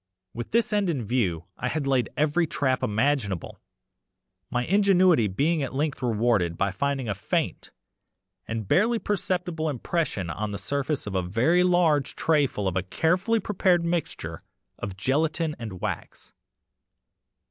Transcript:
With this end in view I laid every trap imaginable, my ingenuity being at length rewarded by finding a faint and barely perceptible impression on the surface of a very large tray full of a carefully prepared mixture of gelatine and wax.